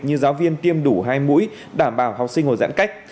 như giáo viên tiêm đủ hai mũi đảm bảo học sinh ngồi giãn cách